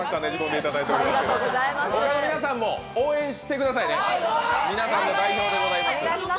皆さんも応援してくださいね、皆さんの代表でございます。